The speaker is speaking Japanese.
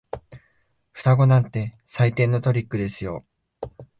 双子なんて最低のトリックですよ。